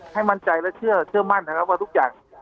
ให้มั่นใจและเชื่อมั่นนะครับว่าทุกอย่าง